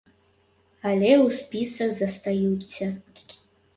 Але ў спісах застаюцца.